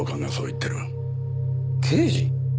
刑事？